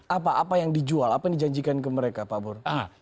apa apa yang dijual apa yang dijanjikan ke mereka pak bur